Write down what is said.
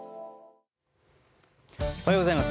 おはようございます。